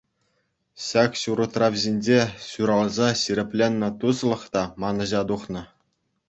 Ҫак ҫур утрав ҫинче ҫуралса ҫирӗпленнӗ туслӑх та манӑҫа тухнӑ.